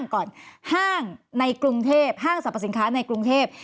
กรุงเทพฯห้างสรรพสินค้าในกรุงเทพฯ